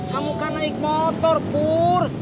kamu kan naik motor bur